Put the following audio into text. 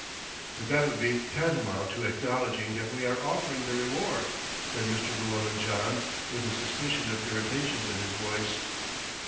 "But that would be tantamount to acknowledging that we are offering the reward," said Mr. Llewellyn John with a suspicion of irritation in his voice.